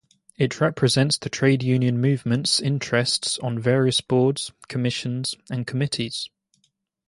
It represents the trade union movement's interests on various boards, commissions and committees.